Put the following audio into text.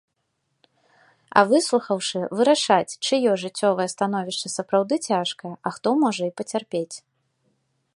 А выслухаўшы, вырашаць, чыё жыццёвае становішча сапраўды цяжкае, а хто можа і пацярпець.